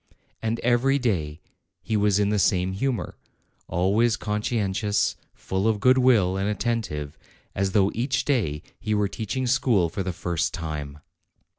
And every day he was in the same humor, always conscientious, full of good will, and attentive, as though each day he were teaching school for the first time.